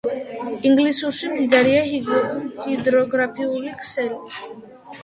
ინგლისში მდიდარია ჰიდროგრაფიული ქსელი